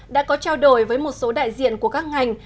đã có trao đổi với một số đại diện của các ngành